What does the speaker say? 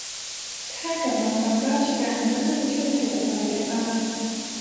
ถ้ากลับมารับราชการก็น่าจะช่วยขยับอะไรได้บ้าง